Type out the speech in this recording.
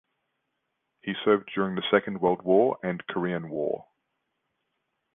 He served during the Second World War and Korean War.